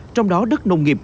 trong đó đất nông nghiệp